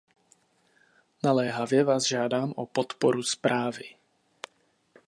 Naléhavě vás žádám o podporu zprávy.